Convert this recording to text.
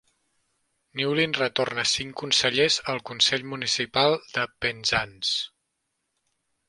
Newlyn retorna cinc consellers al consell municipal de Penzance.